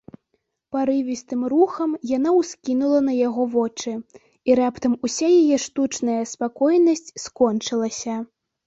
Парывістым рухам яна ўскінула на яго вочы, і раптам уся яе штучная спакойнасць скончылася.